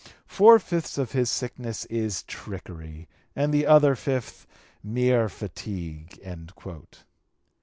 "Four fifths of his sickness is trickery, and the other fifth mere fatigue."